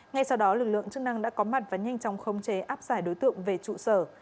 ngay sau đó lực lượng chức năng đã có mặt và nhanh chóng khống chế áp giải đối tượng về trụ sở